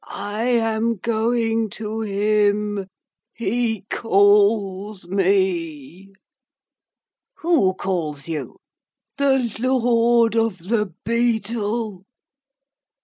'I am going to him. He calls me.' 'Who calls you?' 'The Lord of the Beetle.